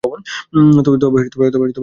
তবে, আরও প্রমাণ আছে।